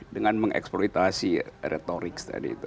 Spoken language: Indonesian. dengan mengeksploitasi retorik tadi itu